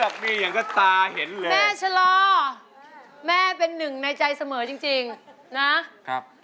แผ่นเก่งสูงเลยนะครับ